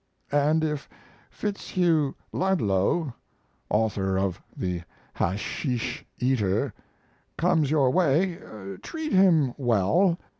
And if Fitzhugh Ludlow (author of the 'Hasheesh Eater') comes your way, treat him well.